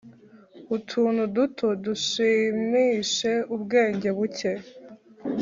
utuntu duto dushimishe ubwenge buke